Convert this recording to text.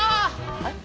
はい？